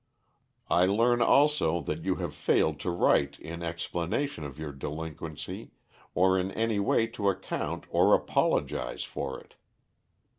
I learn also that you have failed to write in explanation of your delinquency or in any way to account or apologise for it.